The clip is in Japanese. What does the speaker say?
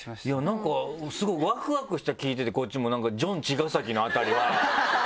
なんかスゴいワクワクした聞いててこっちもジョン茅ヶ崎の辺りは。